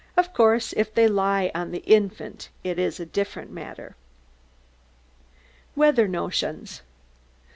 Of course, if they lie on the infant, it is a different matter. WEATHER NOTIONS.